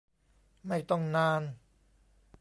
ไม่ต้องนาน